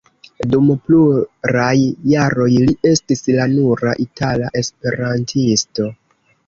Dum pluraj jaroj li estis la nura itala esperantisto.